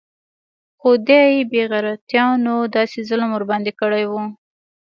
خو دې بې غيرتانو داسې ظلم ورباندې كړى و.